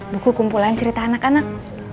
buku kumpulan cerita anak anak